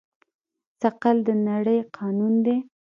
ثقل د نړۍ قانون دی.